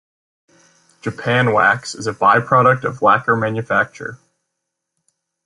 Japan wax is a byproduct of lacquer manufacture.